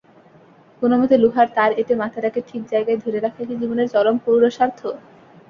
কোনোমতে লোহার তার এঁটে মাথাটাকে ঠিক জায়গায় ধরে রাখাই কি জীবনের চরম পুরুষার্থ?